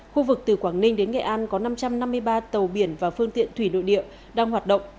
khu vực từ quảng ninh đến nghệ an có năm trăm năm mươi ba tàu biển và phương tiện thủy nội địa đang hoạt động